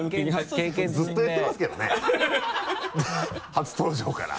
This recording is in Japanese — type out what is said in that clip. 初登場から。